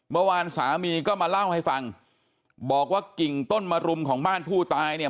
เมื่อวานสามีก็มาเล่าให้ฟังบอกว่ากิ่งต้นมรุมของบ้านผู้ตายเนี่ย